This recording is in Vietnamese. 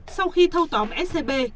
sau khi thâu tóm scb